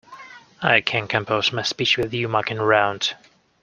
I can't compose my speech with you mucking around.